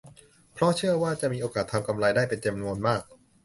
เพราะเชื่อว่าจะมีโอกาสทำกำไรได้เป็นจำนวนมาก